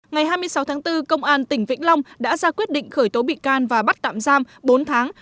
ngày hai mươi sáu tháng bốn công an tỉnh vĩnh long đã ra quyết định khởi tố bị can và bắt tạm giam bốn tháng